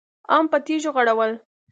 هم په تيږو غړول.